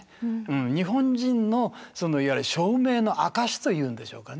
日本人のそのいわゆる証明の証しというんでしょうかね